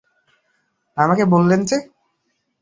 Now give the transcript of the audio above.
আমাকে বললেন যে!